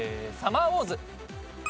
『サマーウォーズ』。